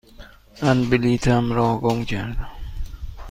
من بلیطم را گم کردم.